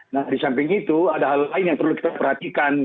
nah di samping itu ada hal lain yang perlu kita perhatikan